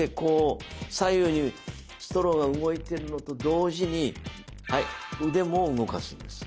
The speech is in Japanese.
左右にストローが動いてるのと同時にはい腕も動かすんです。